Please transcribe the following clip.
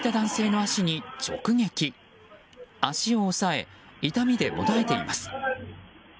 足を押さえ、痛みで悶えています。